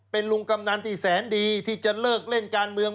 เป็นลุงกำนันที่แสนดีที่จะเลิกเล่นการเมือง